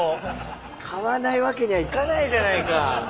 買わないわけにはいかないじゃないか。